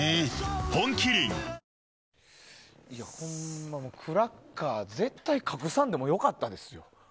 本麒麟ほんま、クラッカー絶対隠さんでもよかったですよ。